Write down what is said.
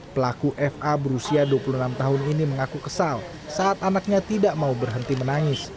pelaku fa berusia dua puluh enam tahun ini mengaku kesal saat anaknya tidak mau berhenti menangis